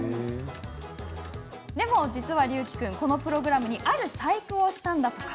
でも実は、竜輝君このプログラムにある細工をしたんだとか。